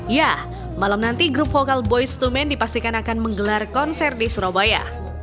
ya malam nanti grup vokal boyz dua man dipastikan akan menggelar konser di surabaya